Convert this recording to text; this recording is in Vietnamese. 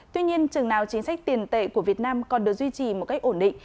tuy nhiên chừng nào chính sách tiền tệ của việt nam còn được duy trì một cách ổn định